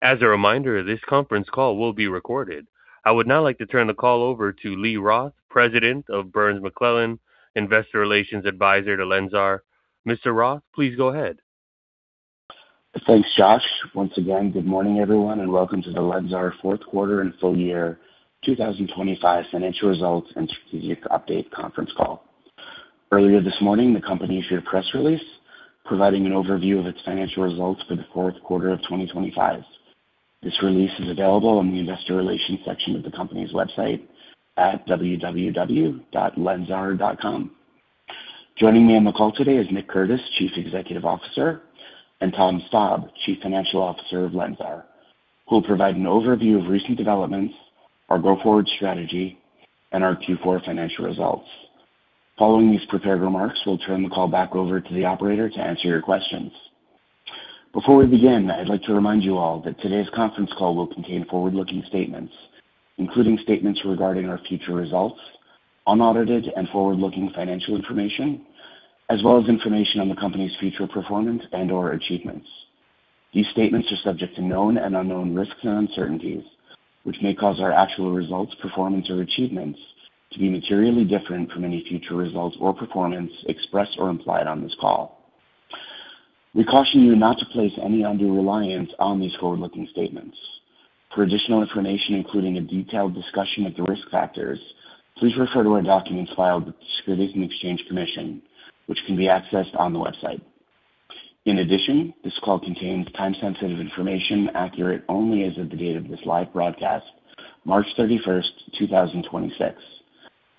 As a reminder, this conference call will be recorded. I would now like to turn the call over to Lee Roth, President of Burns McClellan, investor relations advisor to LENSAR. Mr. Roth, please go ahead. Thanks, Josh. Once again, good morning, everyone, and welcome to the LENSAR fourth quarter and full year 2025 financial results and strategic update conference call. Earlier this morning, the company issued a press release providing an overview of its financial results for the fourth quarter of 2025. This release is available on the investor relations section of the company's website at www.lensar.com. Joining me on the call today is Nick Curtis, Chief Executive Officer, and Tom Staab, Chief Financial Officer of LENSAR, who will provide an overview of recent developments, our go-forward strategy, and our Q4 financial results. Following these prepared remarks, we'll turn the call back over to the operator to answer your questions. Before we begin, I'd like to remind you all that today's conference call will contain forward-looking statements, including statements regarding our future results, unaudited and forward-looking financial information, as well as information on the company's future performance and/or achievements. These statements are subject to known and unknown risks or uncertainties, which may cause our actual results, performance, or achievements to be materially different from any future results or performance expressed or implied on this call. We caution you not to place any undue reliance on these forward-looking statements. For additional information, including a detailed discussion of the risk factors, please refer to our documents filed with the Securities and Exchange Commission, which can be accessed on the website. In addition, this call contains time-sensitive information accurate only as of the date of this live broadcast, March 31st, 2026.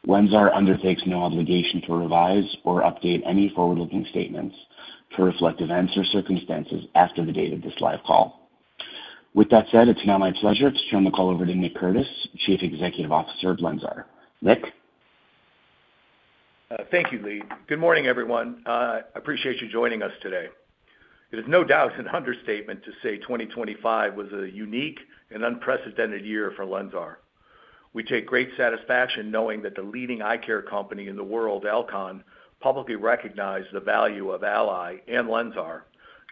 LENSAR undertakes no obligation to revise or update any forward-looking statements to reflect events or circumstances after the date of this live call. With that said, it's now my pleasure to turn the call over to Nick Curtis, Chief Executive Officer of LENSAR. Nick? Thank you, Lee. Good morning, everyone. I appreciate you joining us today. It is no doubt an understatement to say 2025 was a unique and unprecedented year for LENSAR. We take great satisfaction knowing that the leading eye care company in the world, Alcon, publicly recognized the value of ALLY and LENSAR,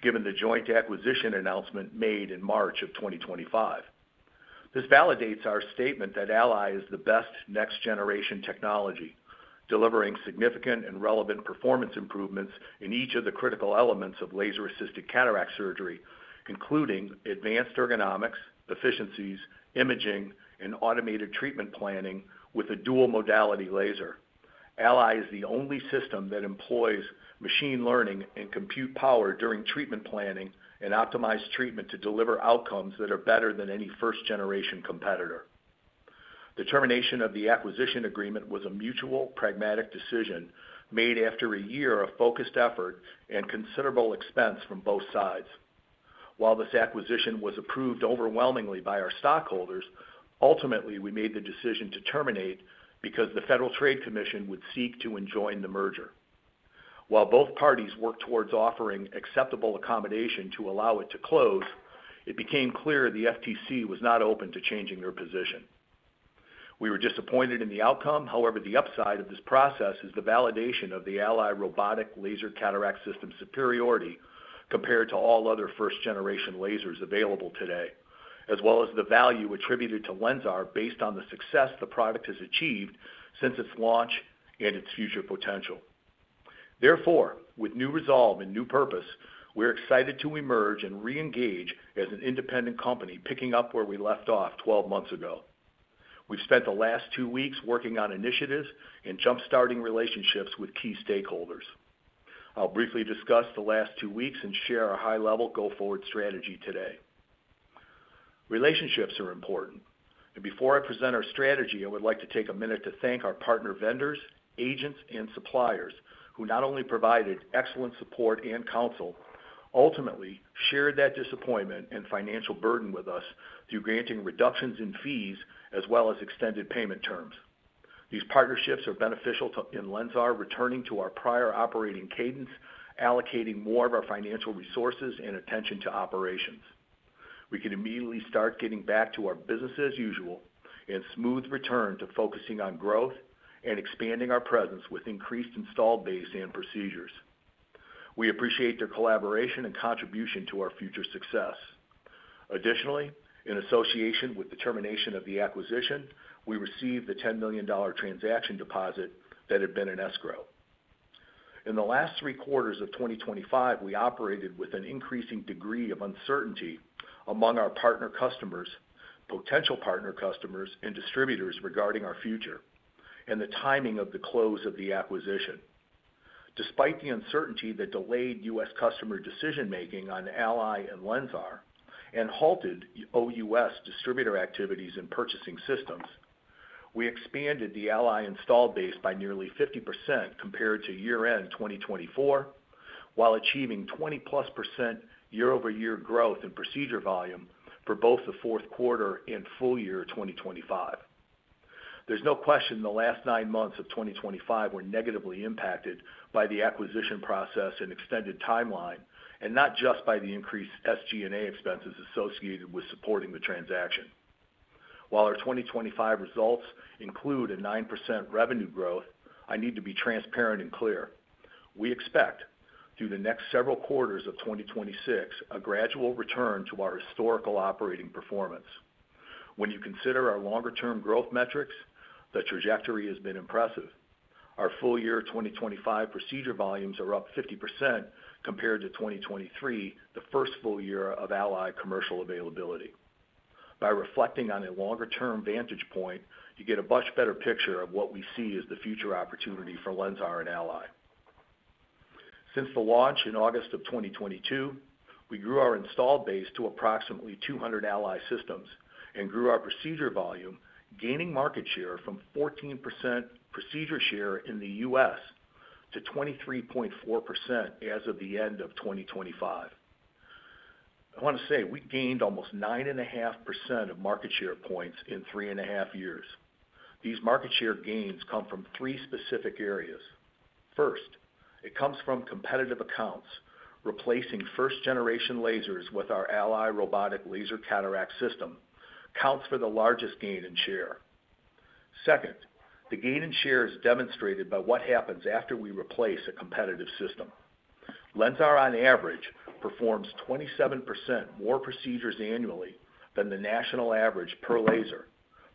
given the joint acquisition announcement made in March of 2025. This validates our statement that ALLY is the best next-generation technology, delivering significant and relevant performance improvements in each of the critical elements of laser-assisted cataract surgery, including advanced ergonomics, efficiencies, imaging, and automated treatment planning with a dual modality laser. ALLY is the only system that employs machine learning and compute power during treatment planning and optimized treatment to deliver outcomes that are better than any first-generation competitor. The termination of the acquisition agreement was a mutual pragmatic decision made after a year of focused effort and considerable expense from both sides. While this acquisition was approved overwhelmingly by our stockholders, ultimately, we made the decision to terminate because the Federal Trade Commission would seek to enjoin the merger. While both parties worked towards offering acceptable accommodation to allow it to close, it became clear the FTC was not open to changing their position. We were disappointed in the outcome. However, the upside of this process is the validation of the ALLY Robotic Cataract Laser System superiority compared to all other first-generation lasers available today, as well as the value attributed to LENSAR based on the success the product has achieved since its launch and its future potential. Therefore, with new resolve and new purpose, we're excited to emerge and reengage as an independent company, picking up where we left off 12 months ago. We've spent the last two weeks working on initiatives and jump-starting relationships with key stakeholders. I'll briefly discuss the last two weeks and share our high-level go-forward strategy today. Relationships are important, and before I present our strategy, I would like to take a minute to thank our partner vendors, agents, and suppliers who not only provided excellent support and counsel, ultimately shared that disappointment and financial burden with us through granting reductions in fees as well as extended payment terms. These partnerships are beneficial to LENSAR in returning to our prior operating cadence, allocating more of our financial resources and attention to operations. We can immediately start getting back to our business as usual and smooth return to focusing on growth and expanding our presence with increased installed base and procedures. We appreciate their collaboration and contribution to our future success. Additionally, in association with the termination of the acquisition, we received the $10 million transaction deposit that had been in escrow. In the last three quarters of 2025, we operated with an increasing degree of uncertainty among our partner customers, potential partner customers, and distributors regarding our future and the timing of the close of the acquisition. Despite the uncertainty that delayed U.S. customer decision-making on ALLY and LENSAR and halted OUS distributor activities and purchasing systems, we expanded the ALLY installed base by nearly 50% compared to year-end 2024, while achieving 20%+ year-over-year growth in procedure volume for both the fourth quarter and full year 2025. There's no question the last nine months of 2025 were negatively impacted by the acquisition process and extended timeline, and not just by the increased SG&A expenses associated with supporting the transaction. While our 2025 results include a 9% revenue growth, I need to be transparent and clear. We expect through the next several quarters of 2026, a gradual return to our historical operating performance. When you consider our longer-term growth metrics, the trajectory has been impressive. Our full year 2025 procedure volumes are up 50% compared to 2023, the first full year of Ally commercial availability. By reflecting on a longer-term vantage point, you get a much better picture of what we see as the future opportunity for LENSAR and ALLY. Since the launch in August of 2022, we grew our installed base to approximately 200 ALLY systems and grew our procedure volume, gaining market share from 14% procedure share in the U.S. to 23.4% as of the end of 2025. I wanna say we gained almost 9.5% of market share points in 3.5 years. These market share gains come from three specific areas. First, it comes from competitive accounts, replacing first-generation lasers with our ALLY Robotic Cataract Laser System accounts for the largest gain in share. Second, the gain in share is demonstrated by what happens after we replace a competitive system. LENSAR, on average, performs 27% more procedures annually than the national average per laser,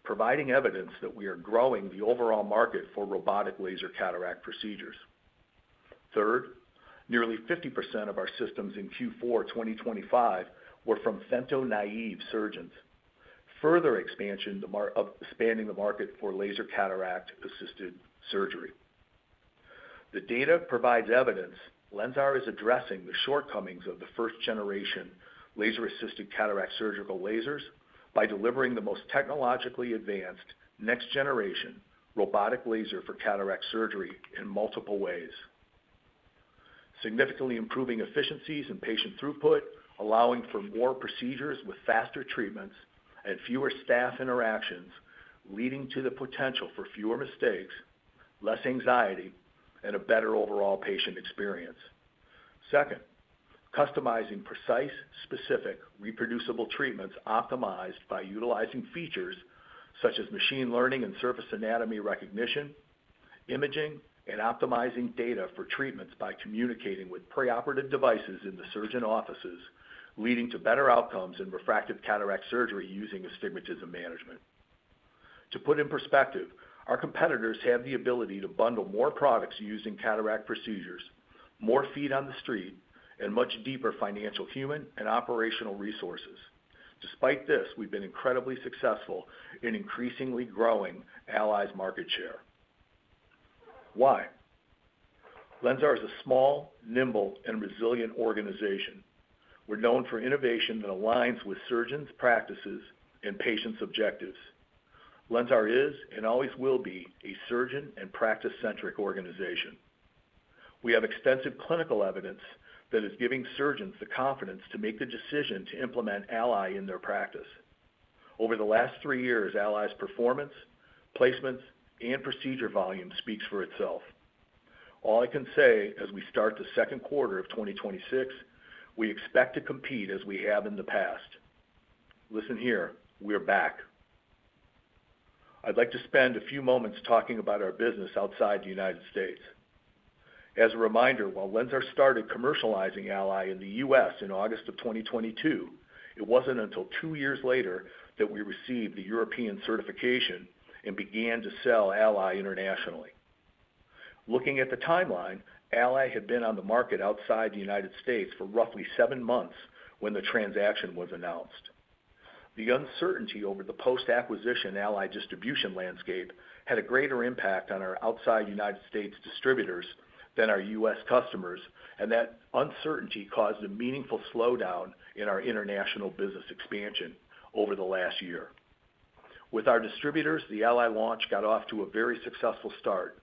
providing evidence that we are growing the overall market for robotic laser cataract procedures. Third, nearly 50% of our systems in Q4 2025 were from femto-naive surgeons, further expanding the market for laser-assisted cataract surgery. The data provides evidence LENSAR is addressing the shortcomings of the first generation laser-assisted cataract surgical lasers by delivering the most technologically advanced next generation robotic laser for cataract surgery in multiple ways, significantly improving efficiencies and patient throughput, allowing for more procedures with faster treatments and fewer staff interactions, leading to the potential for fewer mistakes, less anxiety, and a better overall patient experience. Second, customizing precise, specific, reproducible treatments optimized by utilizing features such as machine learning and surface anatomy recognition, imaging, and optimizing data for treatments by communicating with preoperative devices in the surgeon offices, leading to better outcomes in refractive cataract surgery using astigmatism management. To put in perspective, our competitors have the ability to bundle more products using cataract procedures, more feet on the street, and much deeper financial human and operational resources. Despite this, we've been incredibly successful in increasingly growing ALLY's market share. Why? LENSAR is a small, nimble, and resilient organization. We're known for innovation that aligns with surgeons' practices and patients' objectives. LENSAR is and always will be a surgeon and practice-centric organization. We have extensive clinical evidence that is giving surgeons the confidence to make the decision to implement ALLY in their practice. Over the last three years, ALLY's performance, placements, and procedure volume speaks for itself. All I can say as we start the second quarter of 2026, we expect to compete as we have in the past. Listen here, we're back. I'd like to spend a few moments talking about our business outside the United States. As a reminder, while LENSAR started commercializing ALLY in the U.S. in August of 2022, it wasn't until two years later that we received the European certification and began to sell ALLY internationally. Looking at the timeline, ALLY had been on the market outside the United States for roughly seven months when the transaction was announced. The uncertainty over the post-acquisition ALLY distribution landscape had a greater impact on our outside United States distributors than our U.S. customers, and that uncertainty caused a meaningful slowdown in our international business expansion over the last year. With our distributors, the ALLY launch got off to a very successful start,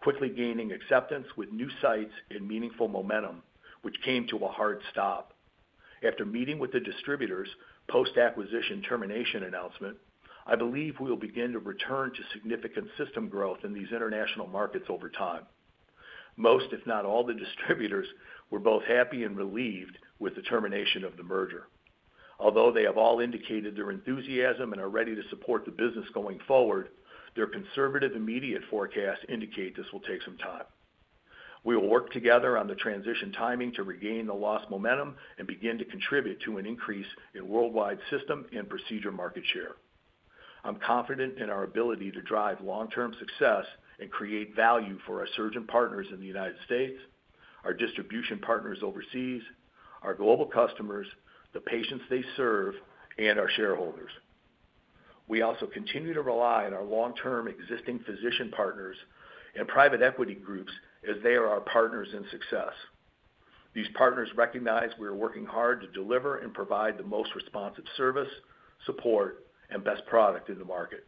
quickly gaining acceptance with new sites and meaningful momentum, which came to a hard stop. After meeting with the distributors post-acquisition termination announcement, I believe we'll begin to return to significant system growth in these international markets over time. Most, if not all, the distributors were both happy and relieved with the termination of the merger. Although they have all indicated their enthusiasm and are ready to support the business going forward, their conservative immediate forecasts indicate this will take some time. We will work together on the transition timing to regain the lost momentum and begin to contribute to an increase in worldwide system and procedure market share. I'm confident in our ability to drive long-term success and create value for our surgeon partners in the United States, our distribution partners overseas, our global customers, the patients they serve, and our shareholders. We also continue to rely on our long-term existing physician partners and private equity groups as they are our partners in success. These partners recognize we are working hard to deliver and provide the most responsive service, support, and best product in the market.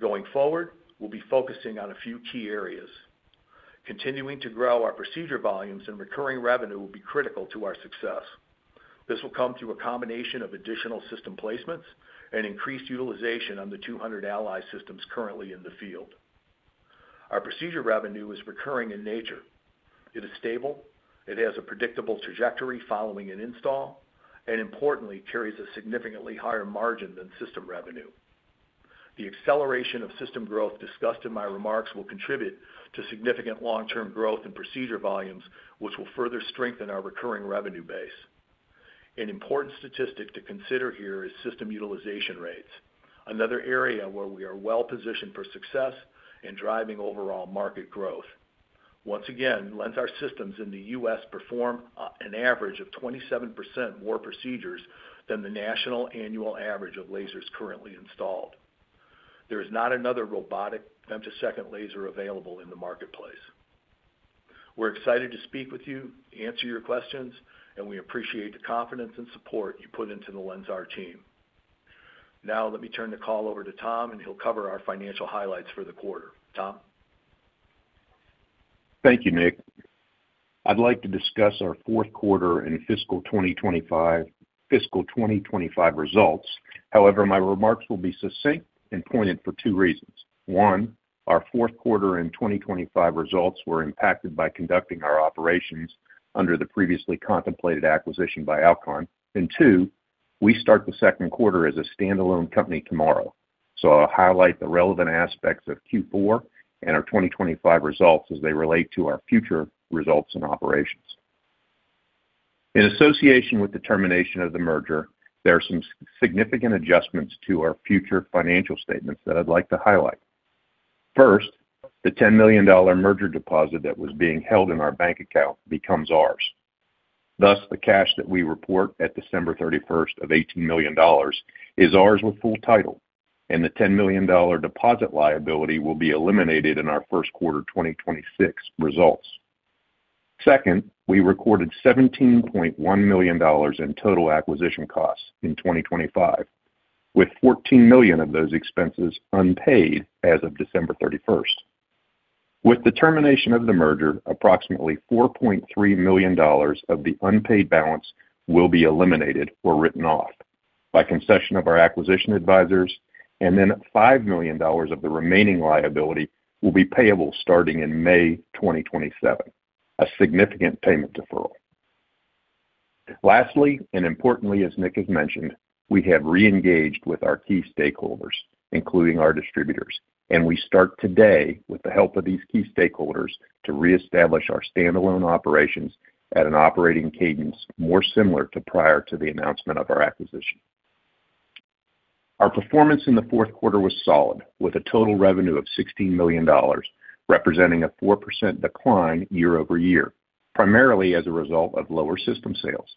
Going forward, we'll be focusing on a few key areas. Continuing to grow our procedure volumes and recurring revenue will be critical to our success. This will come through a combination of additional system placements and increased utilization on the 200 ALLY systems currently in the field. Our procedure revenue is recurring in nature. It is stable, it has a predictable trajectory following an install, and importantly, carries a significantly higher margin than system revenue. The acceleration of system growth discussed in my remarks will contribute to significant long-term growth in procedure volumes, which will further strengthen our recurring revenue base. An important statistic to consider here is system utilization rates, another area where we are well-positioned for success in driving overall market growth. Once again, LENSAR systems in the U.S. perform an average of 27% more procedures than the national annual average of lasers currently installed. There is not another robotic femtosecond laser available in the marketplace. We're excited to speak with you, answer your questions, and we appreciate the confidence and support you put into the LENSAR team. Now let me turn the call over to Tom, and he'll cover our financial highlights for the quarter. Tom? Thank you, Nick. I'd like to discuss our fourth quarter and fiscal 2025 results. However, my remarks will be succinct and poignant for two reasons. One, our fourth quarter and 2025 results were impacted by conducting our operations under the previously contemplated acquisition by Alcon. Two, we start the second quarter as a standalone company tomorrow. I'll highlight the relevant aspects of Q4 and our 2025 results as they relate to our future results and operations. In association with the termination of the merger, there are some significant adjustments to our future financial statements that I'd like to highlight. First, the $10 million merger deposit that was being held in our bank account becomes ours. Thus, the cash that we report at December 31st of $18 million is ours with full title, and the $10 million deposit liability will be eliminated in our first quarter 2026 results. Second, we recorded $17.1 million in total acquisition costs in 2025, with $14 million of those expenses unpaid as of December 31st. With the termination of the merger, approximately $4.3 million of the unpaid balance will be eliminated or written off by concession of our acquisition advisors, and then $5 million of the remaining liability will be payable starting in May 2027, a significant payment deferral. Lastly, and importantly, as Nick has mentioned, we have re-engaged with our key stakeholders, including our distributors, and we start today with the help of these key stakeholders to reestablish our standalone operations at an operating cadence more similar to prior to the announcement of our acquisition. Our performance in the fourth quarter was solid, with a total revenue of $16 million, representing a 4% decline year-over-year, primarily as a result of lower system sales.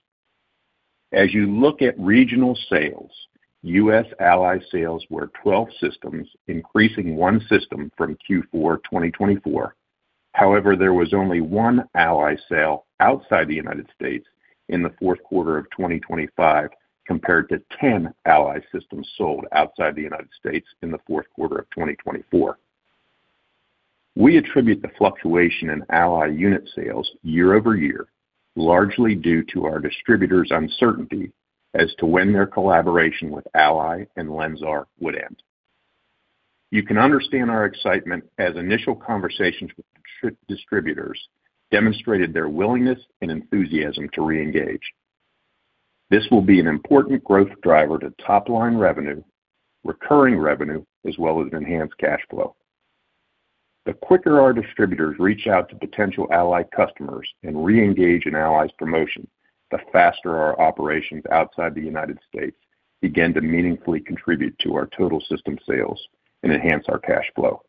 As you look at regional sales, U.S. ALLY sales were 12 systems, increasing one system from Q4 2024. However, there was only one ALLY sale outside the United States in the fourth quarter of 2025, compared to 10 ALLY systems sold outside the United States in the fourth quarter of 2024. We attribute the fluctuation in ALLY unit sales year-over-year largely due to our distributors' uncertainty as to when their collaboration with ALLY and LENSAR would end. You can understand our excitement as initial conversations with distributors demonstrated their willingness and enthusiasm to reengage. This will be an important growth driver to top-line revenue, recurring revenue, as well as enhanced cash flow. The quicker our distributors reach out to potential ALLY customers and reengage in ALLY's promotion, the faster our operations outside the United States begin to meaningfully contribute to our total system sales and enhance our cash flow.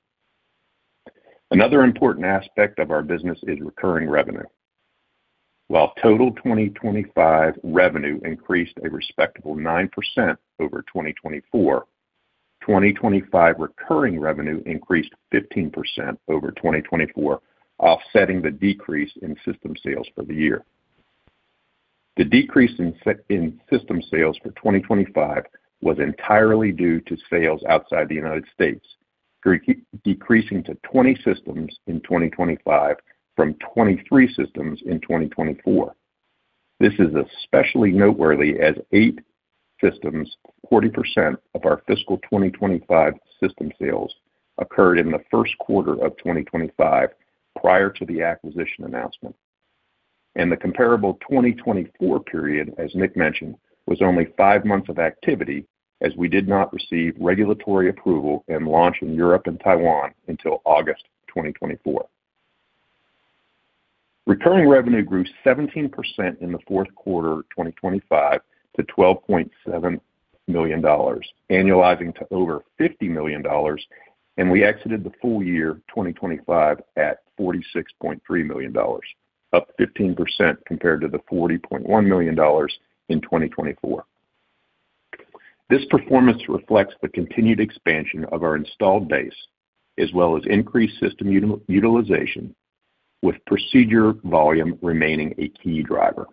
Another important aspect of our business is recurring revenue. While total 2025 revenue increased a respectable 9% over 2024, 2025 recurring revenue increased 15% over 2024, offsetting the decrease in system sales for the year. The decrease in system sales for 2025 was entirely due to sales outside the United States, decreasing to 20 systems in 2025 from 23 systems in 2024. This is especially noteworthy as eight systems, 40% of our fiscal 2025 system sales, occurred in the first quarter of 2025 prior to the acquisition announcement. The comparable 2024 period, as Nick mentioned, was only five months of activity as we did not receive regulatory approval and launch in Europe and Taiwan until August 2024. Recurring revenue grew 17% in the fourth quarter 2025 to $12.7 million, annualizing to over $50 million, and we exited the full year 2025 at $46.3 million, up 15% compared to the $40.1 million in 2024. This performance reflects the continued expansion of our installed base as well as increased system utilization with procedure volume remaining a key driver.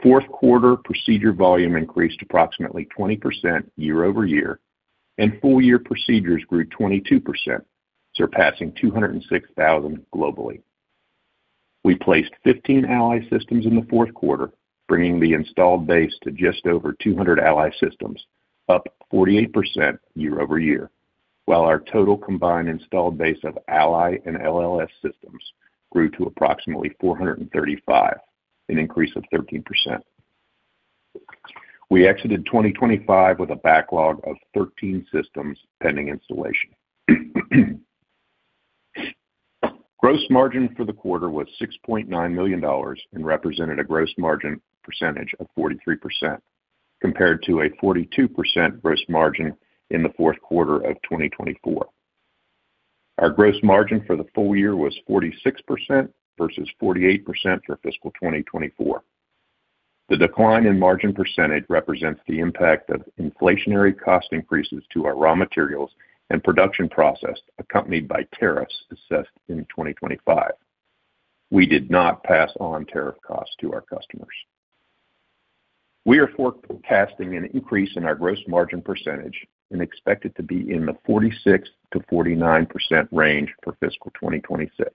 Fourth quarter procedure volume increased approximately 20% year-over-year, and full year procedures grew 22%, surpassing 206,000 globally. We placed 15 ALLY systems in the fourth quarter, bringing the installed base to just over 200 ALLY systems, up 48% year-over-year, while our total combined installed base of ALLY and LLS systems grew to approximately 435, an increase of 13%. We exited 2025 with a backlog of 13 systems pending installation. Gross margin for the quarter was $6.9 million and represented a gross margin percentage of 43% compared to a 42% gross margin in the fourth quarter of 2024. Our gross margin for the full year was 46% versus 48% for fiscal 2024. The decline in margin percentage represents the impact of inflationary cost increases to our raw materials and production process, accompanied by tariffs assessed in 2025. We did not pass on tariff costs to our customers. We are forecasting an increase in our gross margin percentage and expect it to be in the 46%-49% range for fiscal 2026.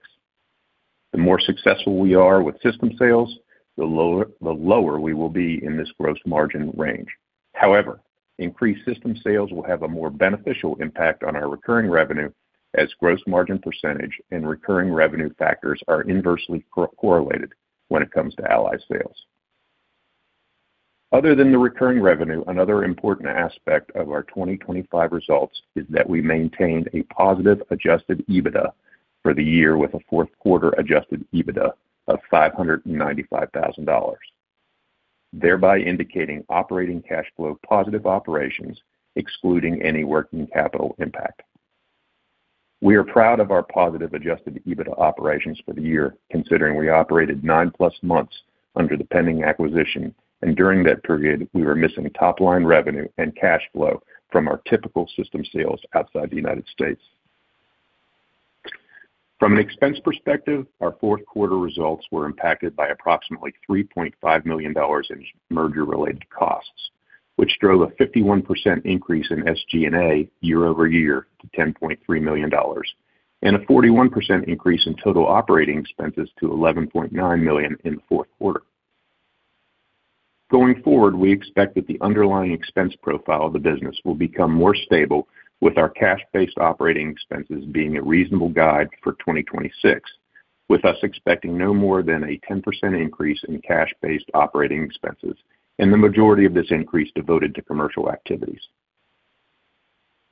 The more successful we are with system sales, the lower we will be in this gross margin range. However, increased system sales will have a more beneficial impact on our recurring revenue as gross margin percentage and recurring revenue factors are inversely correlated when it comes to ALLY sales. Other than the recurring revenue, another important aspect of our 2025 results is that we maintained a positive adjusted EBITDA for the year with a fourth quarter adjusted EBITDA of $595,000, thereby indicating operating cash flow positive operations excluding any working capital impact. We are proud of our positive adjusted EBITDA operations for the year, considering we operated 9+ months under the pending acquisition, and during that period, we were missing top-line revenue and cash flow from our typical system sales outside the United States. From an expense perspective, our fourth quarter results were impacted by approximately $3.5 million in merger-related costs, which drove a 51% increase in SG&A year-over-year to $10.3 million, and a 41% increase in total operating expenses to $11.9 million in the fourth quarter. Going forward, we expect that the underlying expense profile of the business will become more stable with our cash-based operating expenses being a reasonable guide for 2026, with us expecting no more than a 10% increase in cash-based operating expenses and the majority of this increase devoted to commercial activities.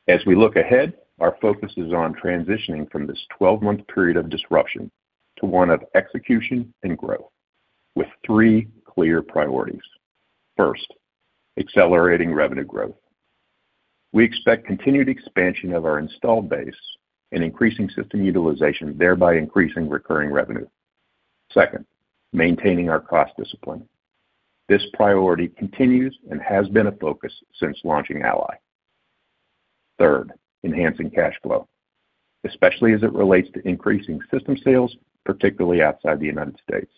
As we look ahead, our focus is on transitioning from this 12-month period of disruption to one of execution and growth with three clear priorities. First, accelerating revenue growth. We expect continued expansion of our installed base and increasing system utilization, thereby increasing recurring revenue. Second, maintaining our cost discipline. This priority continues and has been a focus since launching ALLY. Third, enhancing cash flow, especially as it relates to increasing system sales, particularly outside the United States.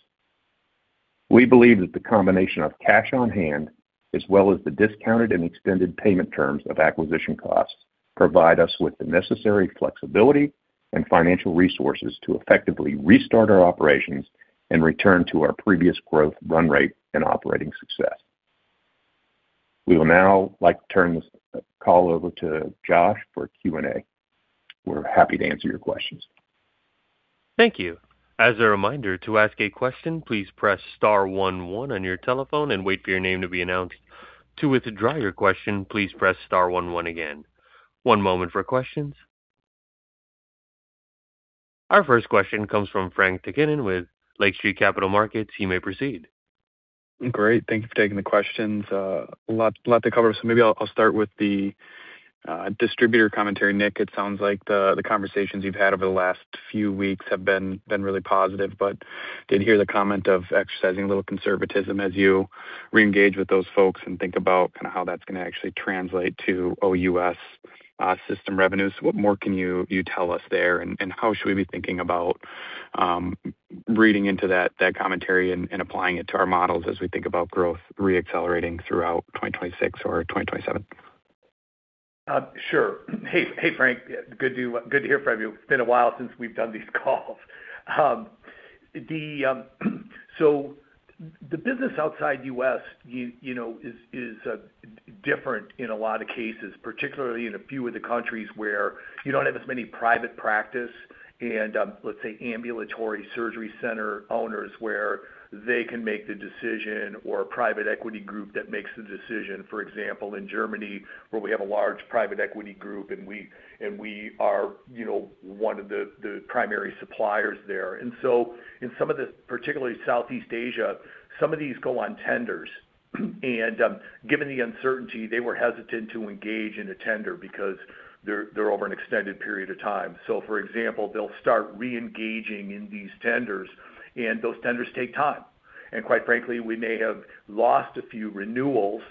We believe that the combination of cash on hand as well as the discounted and extended payment terms of acquisition costs provide us with the necessary flexibility and financial resources to effectively restart our operations and return to our previous growth run rate and operating success. We will now like to turn the call over to Josh for Q&A. We're happy to answer your questions. Thank you. As a reminder, to ask a question, please press star one one on your telephone and wait for your name to be announced. To withdraw your question, please press star one one again. One moment for questions. Our first question comes from Frank Takkinen with Lake Street Capital Markets. You may proceed. Great. Thank you for taking the questions. A lot to cover. Maybe I'll start with the distributor commentary. Nick, it sounds like the conversations you've had over the last few weeks have been really positive, but I did hear the comment of exercising a little conservatism as you re-engage with those folks and think about kind of how that's gonna actually translate to OUS system revenues. What more can you tell us there, and how should we be thinking about reading into that commentary and applying it to our models as we think about growth re-accelerating throughout 2026 or 2027? Sure. Hey, Frank. Good to hear from you. It's been a while since we've done these calls. The business outside U.S., you know, is different in a lot of cases, particularly in a few of the countries where you don't have as many private practice and let's say, ambulatory surgery center owners where they can make the decision or a private equity group that makes the decision. For example, in Germany, where we have a large private equity group, and we are, you know, one of the primary suppliers there. In some of the, particularly Southeast Asia, some of these go on tenders. Given the uncertainty, they were hesitant to engage in a tender because they're over an extended period of time. For example, they'll start re-engaging in these tenders, and those tenders take time. Quite frankly, we may have lost a few renewals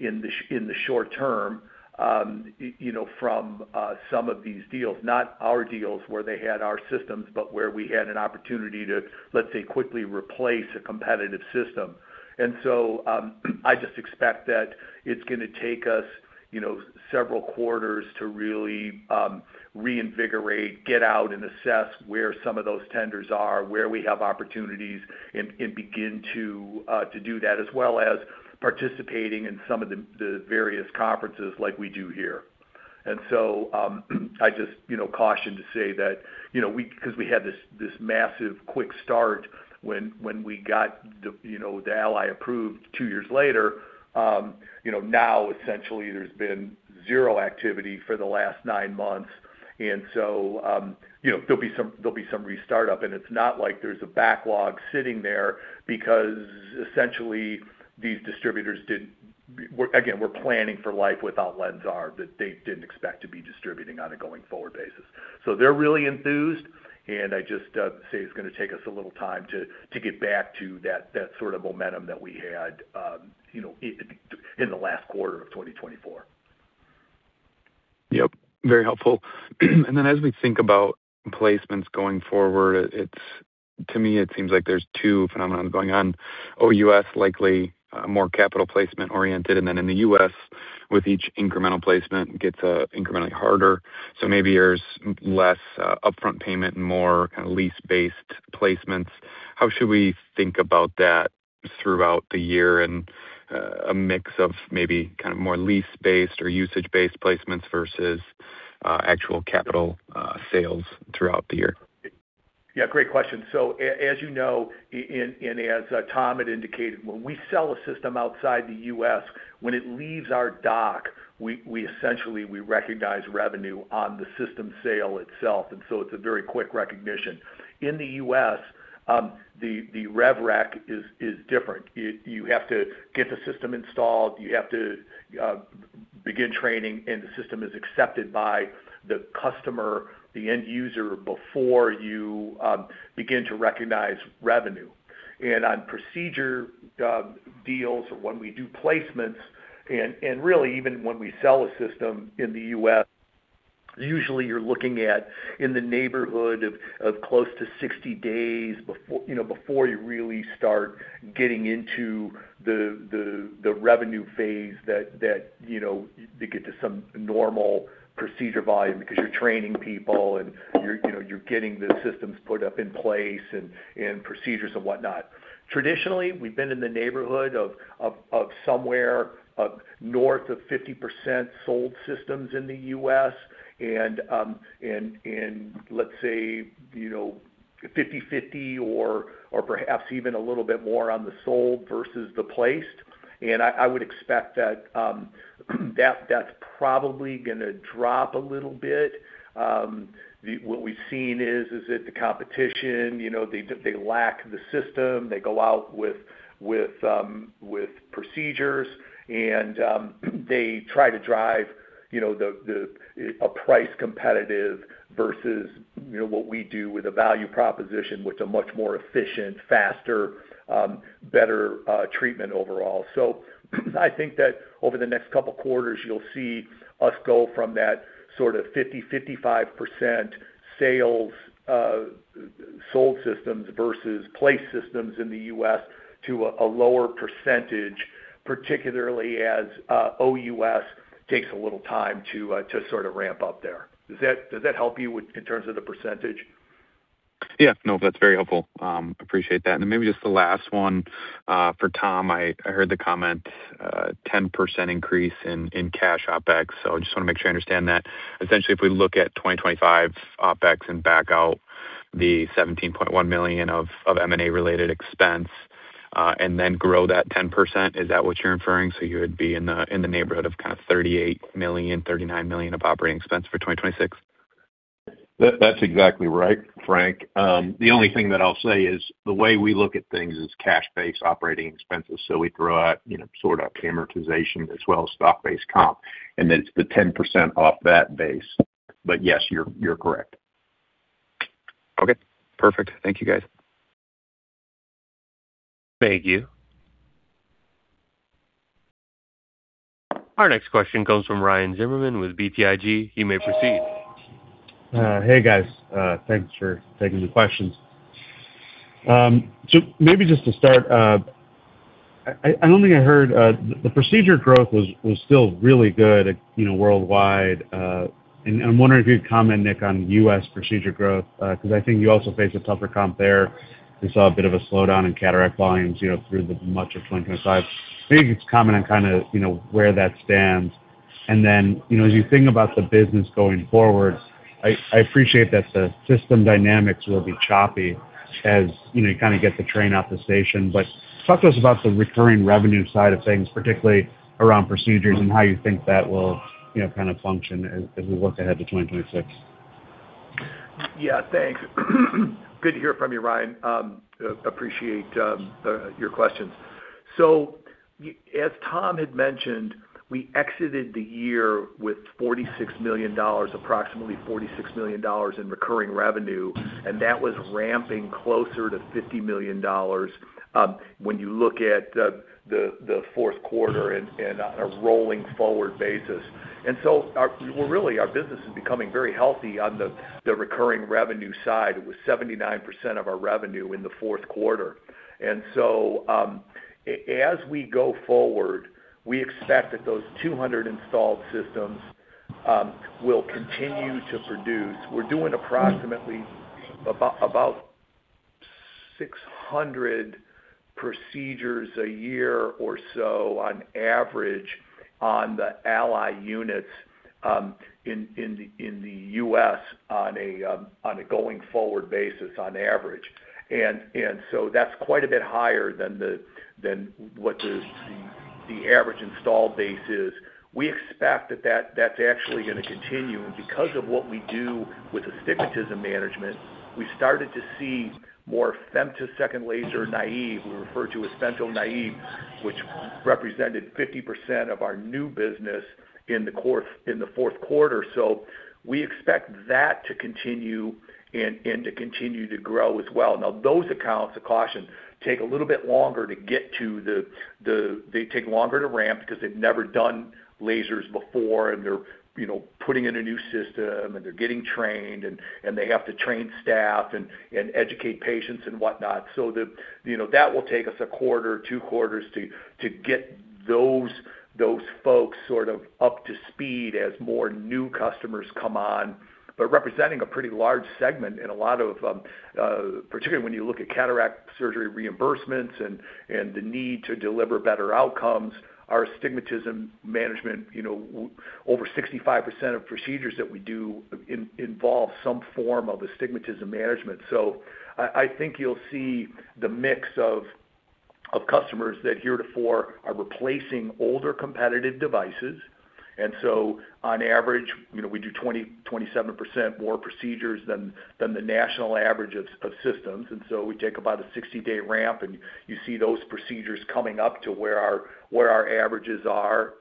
in the short term, you know, from some of these deals, not our deals where they had our systems, but where we had an opportunity to, let's say, quickly replace a competitive system. I just expect that it's gonna take us, you know, several quarters to really reinvigorate, get out and assess where some of those tenders are, where we have opportunities, and begin to do that, as well as participating in some of the various conferences like we do here. I just caution to say that we had this massive quick start when we got the ALLY approved two years later. Now essentially there's been zero activity for the last nine months. There'll be some restart up, and it's not like there's a backlog sitting there because essentially these distributors were planning for life without LENSAR that they didn't expect to be distributing on a going-forward basis. They're really enthused, and I just say it's gonna take us a little time to get back to that sort of momentum that we had in the last quarter of 2024. Yep, very helpful. To me, it seems like there's two phenomena going on. OUS likely more capital placement oriented, and then in the U.S. with each incremental placement gets incrementally harder. Maybe there's less upfront payment and more kind of lease-based placements. How should we think about that throughout the year and a mix of maybe kind of more lease-based or usage-based placements versus actual capital sales throughout the year? Great question. As you know, and as Tom had indicated, when we sell a system outside the U.S., when it leaves our dock, we essentially recognize revenue on the system sale itself, and it's a very quick recognition. In the U.S., the revenue recognition is different. You have to get the system installed, you have to begin training, and the system is accepted by the customer, the end user, before you begin to recognize revenue. On procedure deals or when we do placements and really even when we sell a system in the U.S., usually you're looking at in the neighborhood of close to 60 days before, you know, before you really start getting into the revenue phase that, you know, to get to some normal procedure volume because you're training people and you're, you know, you're getting the systems put in place and procedures and whatnot. Traditionally, we've been in the neighborhood of somewhere north of 50% sold systems in the U.S. and let's say, you know, 50/50 or perhaps even a little bit more on the sold versus the placed. I would expect that that's probably gonna drop a little bit. What we've seen is that the competition, you know, they lack the system. They go out with procedures and they try to drive, you know, a price competitive versus, you know, what we do with a value proposition, which a much more efficient, faster, better treatment overall. I think that over the next couple quarters, you'll see us go from that sort of 50%-55% sales sold systems versus placed systems in the U.S. to a lower percentage, particularly as OUS takes a little time to sort of ramp up there. Does that help you in terms of the percentage? Yeah. No, that's very helpful. Appreciate that. Maybe just the last one, for Tom. I heard the comment, 10% increase in cash OpEx. I just wanna make sure I understand that. Essentially, if we look at 2025 OpEx and back out the $17.1 million of M&A-related expense, and then grow that 10%, is that what you're inferring? You would be in the neighborhood of kind of $38 million-$39 million of operating expense for 2026. That, that's exactly right, Frank. The only thing that I'll say is the way we look at things is cash-based operating expenses. We throw out, you know, sort of amortization as well as stock-based comp, and then it's the 10% off that base. Yes, you're correct. Okay. Perfect. Thank you, guys. Thank you. Our next question comes from Ryan Zimmerman with BTIG. You may proceed. Hey, guys. Thanks for taking the questions. Maybe just to start, I don't think I heard the procedure growth was still really good, you know, worldwide. I'm wondering if you could comment, Nick, on U.S. procedure growth, 'cause I think you also face a tougher comp there. We saw a bit of a slowdown in cataract volumes, you know, through much of 2025. Maybe just comment on kinda, you know, where that stands. You know, as you think about the business going forward, I appreciate that the system dynamics will be choppy as, you know, you kinda get the train out of the station. Talk to us about the recurring revenue side of things, particularly around procedures and how you think that will, you know, kind of function as we look ahead to 2026. Yeah, thanks. Good to hear from you, Ryan. Appreciate your questions. As Tom had mentioned, we exited the year with $46 million, approximately $46 million in recurring revenue, and that was ramping closer to $50 million when you look at the fourth quarter and on a rolling forward basis. Well, really, our business is becoming very healthy on the recurring revenue side. It was 79% of our revenue in the fourth quarter. As we go forward, we expect that those 200 installed systems will continue to produce. We're doing approximately 600 procedures a year or so on average on the ALLY units in the U.S. on a going-forward basis on average. That's quite a bit higher than what the average installed base is. We expect that's actually going to continue. Because of what we do with astigmatism management, we started to see more femtosecond laser naive, we refer to as femto-naive, which represented 50% of our new business in the fourth quarter. We expect that to continue and to continue to grow as well. Now those accounts, a caution, take a little bit longer to ramp because they've never done lasers before, and they're, you know, putting in a new system, and they're getting trained, and they have to train staff and educate patients and whatnot. You know, that will take us a quarter, two quarters to get those folks sort of up to speed as more new customers come on. Representing a pretty large segment in a lot of particularly when you look at cataract surgery reimbursements and the need to deliver better outcomes, our astigmatism management, you know, over 65% of procedures that we do involve some form of astigmatism management. I think you'll see the mix of customers that heretofore are replacing older competitive devices. On average, you know, we do 27% more procedures than the national average of systems. We take about a 60-day ramp, and you see those procedures coming up to where our averages are,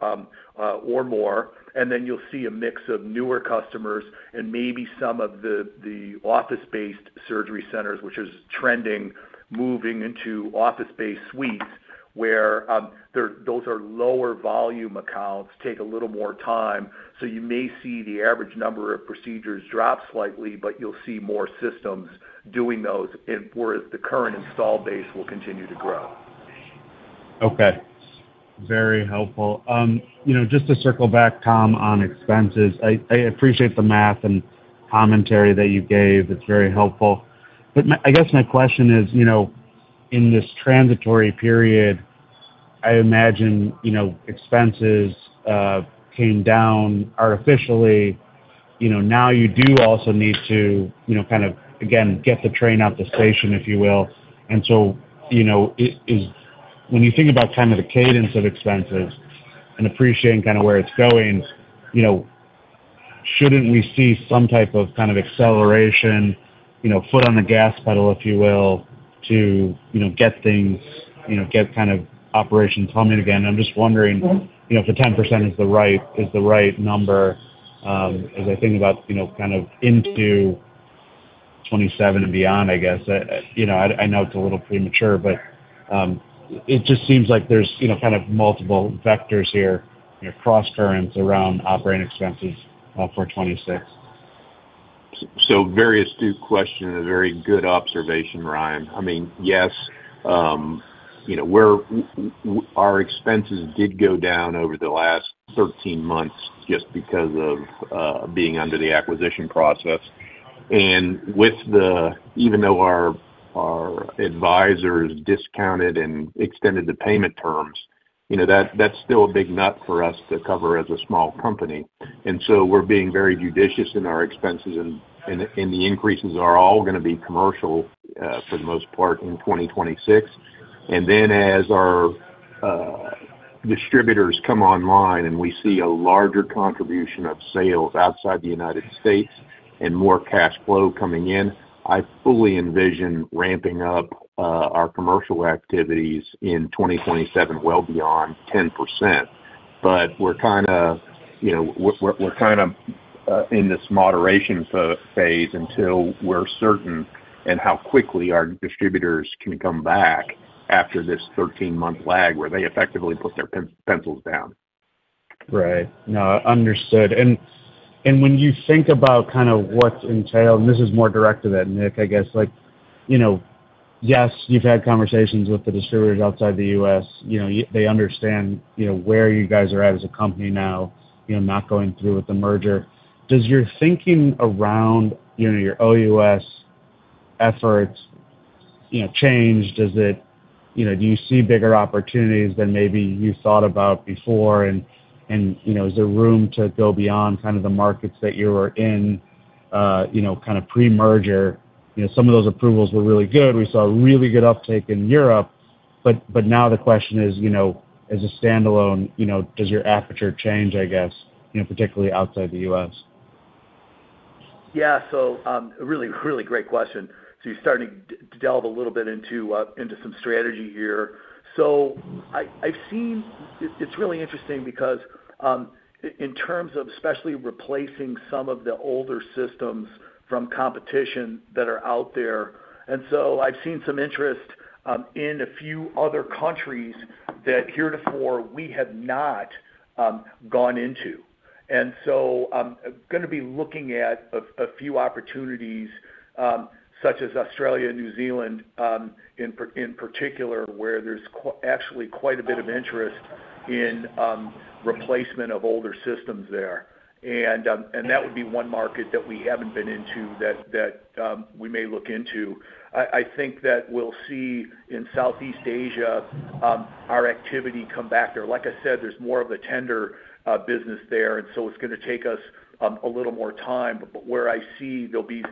or more. You'll see a mix of newer customers and maybe some of the office-based surgery centers, which is trending, moving into office-based suites, where those are lower volume accounts, take a little more time. You may see the average number of procedures drop slightly, but you'll see more systems doing those and whereas the current install base will continue to grow. Okay. Very helpful. You know, just to circle back, Tom, on expenses. I appreciate the math and commentary that you gave. It's very helpful. But I guess my question is, you know, in this transitory period, I imagine, you know, expenses came down artificially. You know, now you do also need to, you know, kind of, again, get the train out the station, if you will. So, you know, when you think about kind of the cadence of expenses and appreciating kind of where it's going, you know, shouldn't we see some type of kind of acceleration, you know, foot on the gas pedal, if you will, to, you know, get things, you know, get kind of operation humming again? I'm just wondering, you know, if the 10% is the right number, as I think about, you know, kind of into 2027 and beyond, I guess. You know, I know it's a little premature, but, it just seems like there's, you know, kind of multiple vectors here, you know, cross-currents around operating expenses, for 2026. Very astute question and a very good observation, Ryan. I mean, yes, you know, our expenses did go down over the last 13 months just because of being under the acquisition process. Even though our advisors discounted and extended the payment terms, you know, that's still a big nut for us to cover as a small company. We're being very judicious in our expenses, and the increases are all gonna be commercial for the most part in 2026. As our distributors come online and we see a larger contribution of sales outside the United States and more cash flow coming in, I fully envision ramping up our commercial activities in 2027 well beyond 10%. We're kind of, you know, in this moderation phase until we're certain on how quickly our distributors can come back after this 13-month lag where they effectively put their pencils down. Right. No, understood. When you think about kind of what's entailed, and this is more directed at Nick, I guess, like, you know, yes, you've had conversations with the distributors outside the U.S. You know, they understand, you know, where you guys are at as a company now, you know, not going through with the merger. Does your thinking around, you know, your OUS efforts, you know, change? Does it? You know, do you see bigger opportunities than maybe you thought about before? You know, is there room to go beyond kind of the markets that you were in, you know, kind of pre-merger? You know, some of those approvals were really good. We saw a really good uptake in Europe. Now the question is, you know, as a standalone, you know, does your aperture change, I guess, you know, particularly outside the U.S.? Yeah. A really great question. You're starting to delve a little bit into some strategy here. I've seen, it's really interesting because in terms of especially replacing some of the older systems from competition that are out there. I've seen some interest in a few other countries that we have not gone into. I'm gonna be looking at a few opportunities such as Australia and New Zealand in particular, where there's actually quite a bit of interest in replacement of older systems there. That would be one market that we haven't been into that we may look into. I think that we'll see in Southeast Asia our activity come back there. Like I said, there's more of a tender business there, and so it's gonna take us a little more time. Where I see there'll be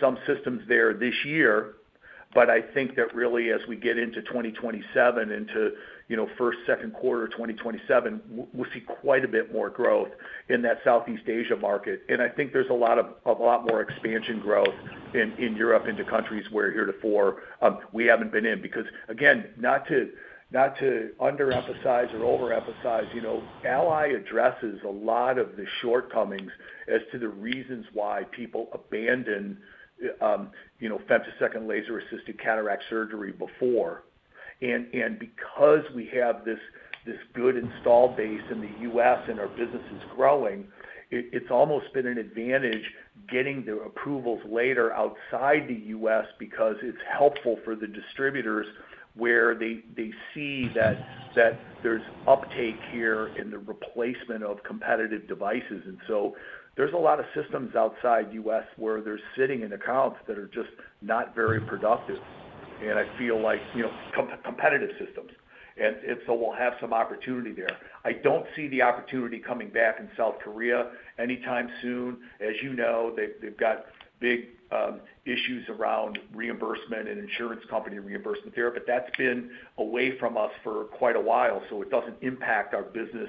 some systems there this year, but I think that really as we get into 2027 into, you know, first, second quarter of 2027, we'll see quite a bit more growth in that Southeast Asia market. I think there's a lot more expansion growth in Europe into countries where heretofore we haven't been in. Because again, not to underemphasize or overemphasize, you know, ALLY addresses a lot of the shortcomings as to the reasons why people abandon, you know, femtosecond laser-assisted cataract surgery before. Because we have this good install base in the U.S. and our business is growing, it's almost been an advantage getting the approvals later outside the U.S. because it's helpful for the distributors where they see that there's uptake here in the replacement of competitive devices. There's a lot of systems outside the U.S. where they're sitting in accounts that are just not very productive, and I feel like, you know, competitive systems. We'll have some opportunity there. I don't see the opportunity coming back in South Korea anytime soon. As you know, they've got big issues around reimbursement and insurance company reimbursement there, but that's been away from us for quite a while, so it doesn't impact our business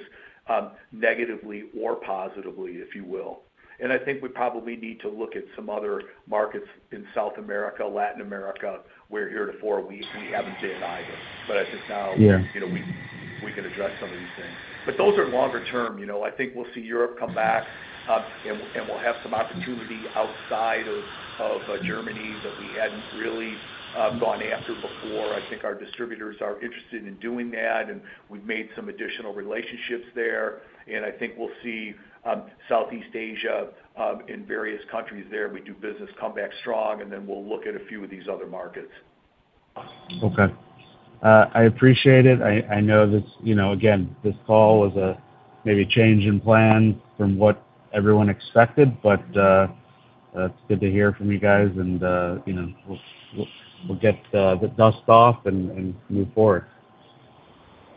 negatively or positively, if you will. I think we probably need to look at some other markets in South America, Latin America, where heretofore we haven't been either. I think now. Yeah. You know, we can address some of these things. Those are longer term, you know. I think we'll see Europe come back, and we'll have some opportunity outside of Germany that we hadn't really gone after before. I think our distributors are interested in doing that, and we've made some additional relationships there. I think we'll see Southeast Asia, in various countries there we do business come back strong, and then we'll look at a few of these other markets. Okay. I appreciate it. I know this, you know, again, this call was a maybe change in plan from what everyone expected, but it's good to hear from you guys and, you know, we'll get the dust off and move forward.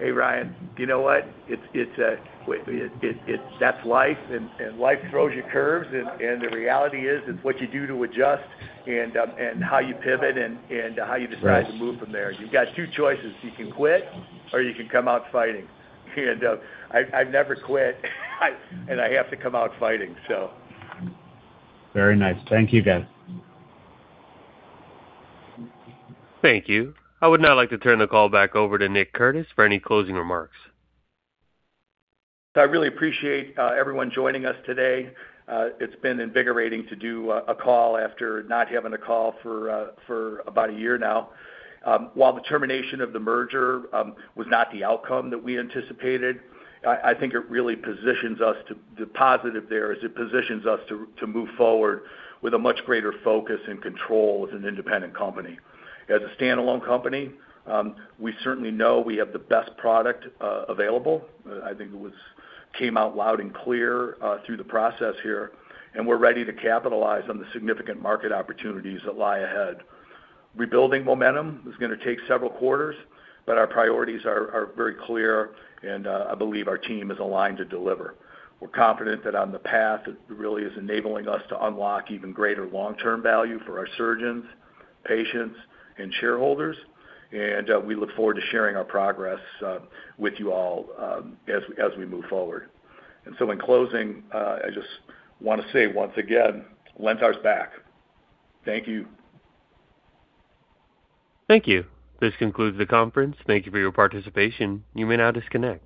Hey, Ryan, you know what? It's, it's, that's life, and life throws you curves and the reality is it's what you do to adjust and how you pivot and how you decide- Right. to move from there. You've got two choices. You can quit, or you can come out fighting. I've never quit and I have to come out fighting, so. Very nice. Thank you, guys. Thank you. I would now like to turn the call back over to Nick Curtis for any closing remarks. I really appreciate everyone joining us today. It's been invigorating to do a call after not having a call for about a year now. While the termination of the merger was not the outcome that we anticipated, I think it really positions us to the positive there as it positions us to move forward with a much greater focus and control as an independent company. As a standalone company, we certainly know we have the best product available. I think it came out loud and clear through the process here, and we're ready to capitalize on the significant market opportunities that lie ahead. Rebuilding momentum is gonna take several quarters, but our priorities are very clear, and I believe our team is aligned to deliver. We're confident that on the path, it really is enabling us to unlock even greater long-term value for our surgeons, patients, and shareholders. We look forward to sharing our progress with you all as we move forward. In closing, I just wanna say once again, LENSAR is back. Thank you. Thank you. This concludes the conference. Thank you for your participation. You may now disconnect.